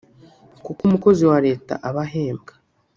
kuko umukozi wa Leta aba ahembwa